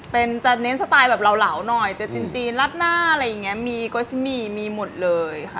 เป็นจะเน้นสไตล์แบบเหลาหน่อยจะจีนรัดหน้าอะไรอย่างนี้มีโกซิหมี่มีหมดเลยค่ะ